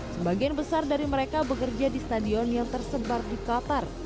sebagian besar dari mereka bekerja di stadion yang tersebar di qatar